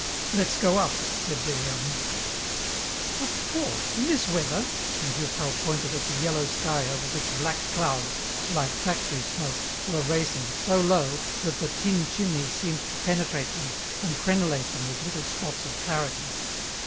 "Let's go up," said Des Hermies. "What for! In this weather?" and Durtal pointed at the yellow sky over which black clouds, like factory smoke, were racing, so low that the tin chimneys seemed to penetrate them and crenelate them with little spots of clarity.